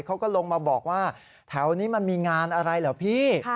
เขาก็ลงมาบอกว่าแถวนี้มันมีงานอะไรเหรอพี่